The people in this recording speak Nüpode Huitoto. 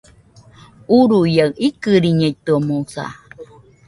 Uruia, ikɨriñeitɨomoɨsa